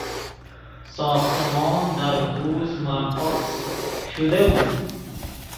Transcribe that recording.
ساختمان در حوض منعکس شده بود.